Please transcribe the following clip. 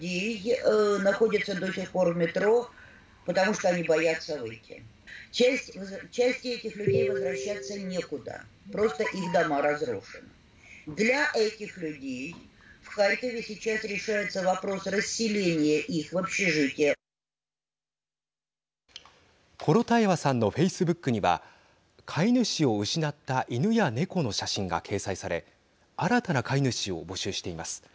コロタエワさんのフェイスブックには飼い主を失った犬や猫の写真が掲載され新たな飼い主を募集しています。